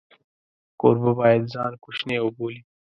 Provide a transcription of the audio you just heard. کوربه باید ځان کوچنی وبولي.